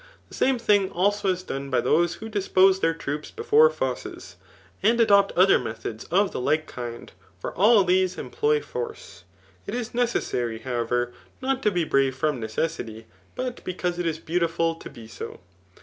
The same thing also is done by those who dis pose their troops before fosses, and adopt other methods of die like kind ; for all these employ force. It is neces sary, however, not to be brave from necesdty, but because it is beautiful to be so.